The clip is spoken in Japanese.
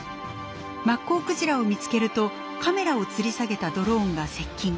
マッコウクジラを見つけるとカメラをつり下げたドローンが接近。